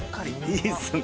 いいっすね。